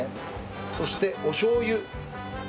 そしておしょう油。